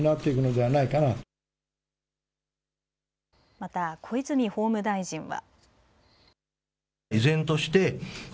また小泉法務大臣は。